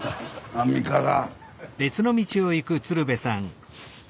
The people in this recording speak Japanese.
アンミカが。